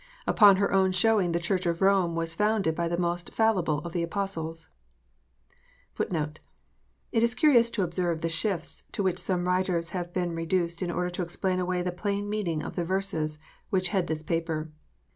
Upon her own showing, the Church of Rome was founded by the most fallible of the Apostles.* * It is curious to observe the shifts to which some writers have been reduced in order to explain away the plain meaning of the verses which head this paper.